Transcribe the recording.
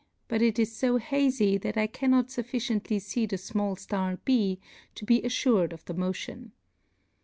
but it is fo hazy that I cannot fufKciently fee the fmall flar b to be alTured of the motion.